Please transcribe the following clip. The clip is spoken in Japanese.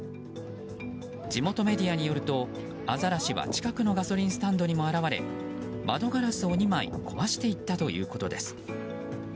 地元メディアによるとアザラシは近くのガソリンスタンドにも現れ窓ガラスを２枚壊していったということです。